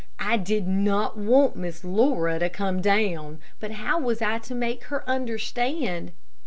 I did not want Miss Laura to come down, but how was I to make her understand?